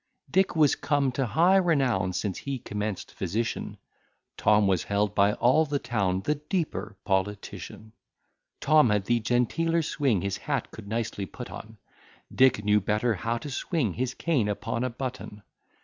Dick was come to high renown Since he commenced physician; Tom was held by all the town The deeper politician. Tom had the genteeler swing, His hat could nicely put on; Dick knew better how to swing His cane upon a button.